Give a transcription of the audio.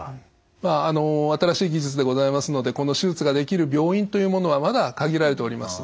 まあ新しい技術でございますのでこの手術ができる病院というものはまだ限られております。